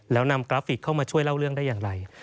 แล้วนำกราฟิกเข้ามาช่วยเล่าเรื่องได้อย่างไร